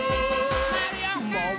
まわるよ。